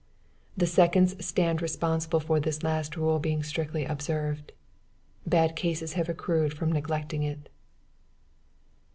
"The seconds stand responsible for this last rule being strictly observed; bad cases have accrued from neglecting it."